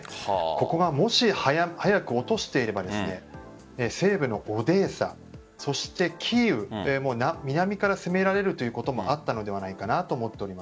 ここをもし早く落としていれば西部のオデーサそしてキーウ南から攻められてるということもあったのではないかと